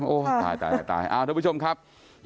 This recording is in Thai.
ตายตายทุกผู้ชมครับ